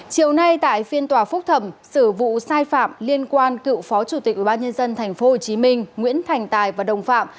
chiều nay tại phiên tòa phúc thẩm xử vụ sai phạm liên quan cựu phó chủ tịch ubnd tp hcm nguyễn thành tài và đồng phạm